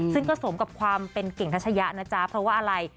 ซึ่งก็สมกับความเป็นเก่งทัชยะนะจ๊ะเพราะว่าอะไร